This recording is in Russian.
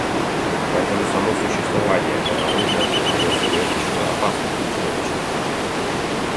Поэтому само существование этого оружия создает серьезнейшую опасность для человечества.